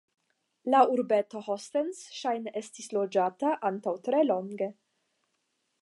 La urbeto de Hostens ŝajne estis loĝata antaŭ tre longe.